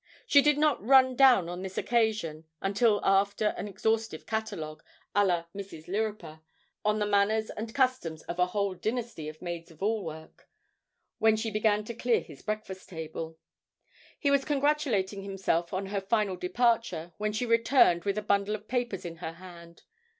She did not run down on this occasion until after an exhaustive catalogue, à la Mrs. Lirriper, of the manners and customs of a whole dynasty of maids of all work, when she began to clear his breakfast table. He was congratulating himself on her final departure, when she returned with a bundle of papers in her hand.